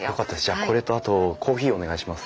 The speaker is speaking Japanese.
じゃあこれとあとコーヒーお願いします。